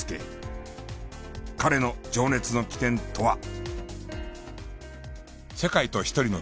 彼の情熱の起点とは？